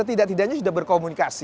tidak tidaknya sudah berkomunikasi